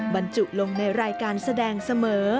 บรรจุลงในรายการแสดงเสมอ